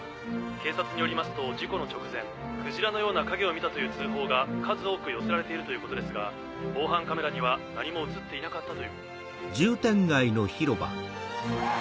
警察によりますと事故の直前クジラのような影を見たという通報が数多く寄せられているということですが防犯カメラには何も写っていなかったと。